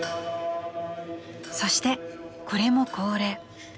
［そしてこれも恒例］